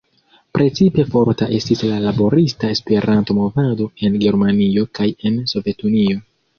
Precipe forta estis la laborista Esperanto-movado en Germanio kaj en Sovetunio.